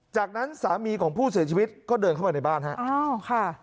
จากนั้นสามีของผู้เสียชีวิตก็เดินเข้ามาในบ้านฮะอ้าวค่ะ